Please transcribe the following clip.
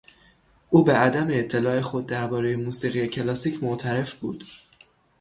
او به عدم اطلاع خود دربارهی موسیقی کلاسیک معترف بود.